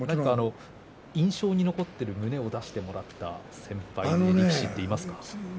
印象で残っている胸を出してもらった先輩力士はいますか。